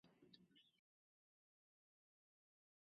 分秒不空过